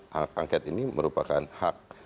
hak angket ini merupakan hak